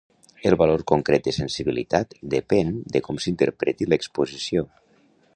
El valor concret de sensibilitat depèn de com s'interpreti l'exposició.